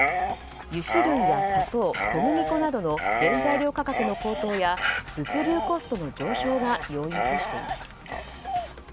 油脂類や砂糖、小麦粉などの原材料価格の黒糖や物流コストの上昇が要因としています。